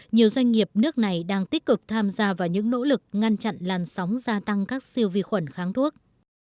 nhiều doanh nghiệp nước này đang tích cực tham gia vào những nỗ lực ngăn chặn làn sóng gia tăng các siêu vi khuẩn kháng thuốc